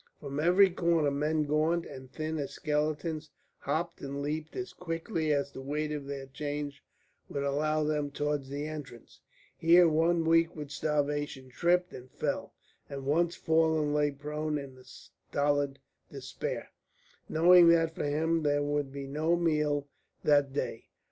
From every corner men gaunt and thin as skeletons hopped and leaped as quickly as the weight of their chains would allow them towards the entrance. Here one weak with starvation tripped and fell, and once fallen lay prone in a stolid despair, knowing that for him there would be no meal that day.